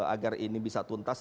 agar ini bisa tuntas